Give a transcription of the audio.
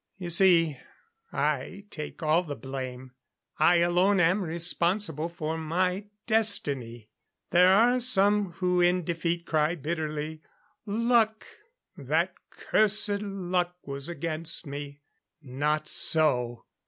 You see, I take all the blame. I alone am responsible for my destiny. There are some who in defeat cry bitterly, 'Luck! That cursed luck was against me!' Not so!